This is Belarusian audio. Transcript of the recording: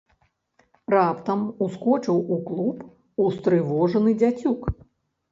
Раптам ускочыў у клуб устрывожаны дзяцюк.